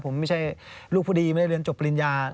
ผมไม่ใช่ลูกผู้ดีไม่ได้เรียนจบปริญญา